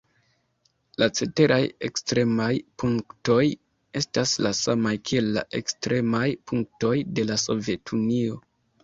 La ceteraj ekstremaj punktoj estas la samaj kiel la ekstremaj punktoj de la Sovetunio.